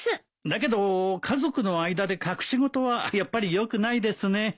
だけど家族の間で隠し事はやっぱりよくないですね。